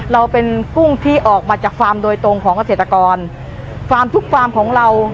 เราเป็นกุ้งที่ออกมาจากฟาร์มโดยตรงของเกษตรกรฟาร์มทุกฟาร์มของเรา